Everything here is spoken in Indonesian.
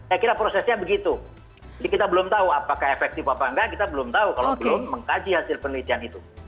saya kira prosesnya begitu jadi kita belum tahu apakah efektif apa enggak kita belum tahu kalau belum mengkaji hasil penelitian itu